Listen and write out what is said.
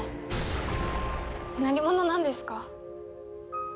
何者なんですか？